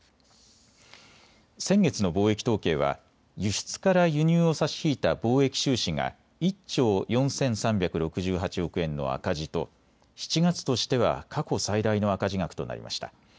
先月の貿易統計は輸出から輸入を差し引いた貿易収支が１兆４３６８億円の赤字と７月としては過去最大の赤字額となりました。